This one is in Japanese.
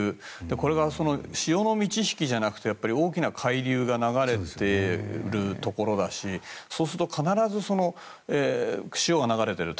これが潮の満ち引きじゃなくて大きな海流が流れてるところだしそうすると、必ず潮が流れている。